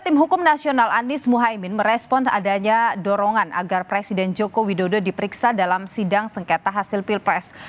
tim hukum nasional anies mohaimin merespon adanya dorongan agar presiden joko widodo diperiksa dalam sidang sengketa hasil pilpres